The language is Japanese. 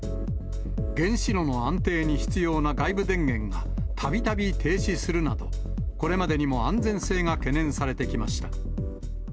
原子炉の安定に必要な外部電源がたびたび停止するなど、これまでにも安全性が懸念されてきました。